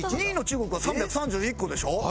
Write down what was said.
２位の中国は３３１個でしょ。